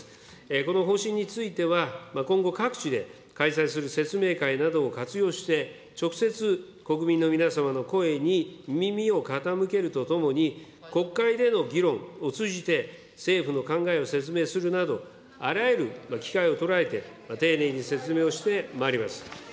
この方針については、今後、各地で開催する説明会などを活用して、直接、国民の皆様の声に耳を傾けるとともに、国会での議論を通じて、政府の考えを説明するなど、あらゆる機会を捉えて、丁寧に説明をしてまいります。